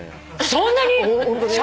そんなに？